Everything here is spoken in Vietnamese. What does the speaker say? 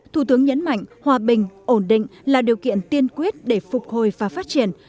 thủ tướng nhấn mạnh hòa bình ổn định là điều kiện tiên quyết để phục hồi và phát triển